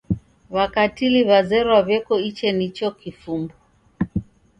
W'akatili w'azerwa w'eko ichenicho kifumbu.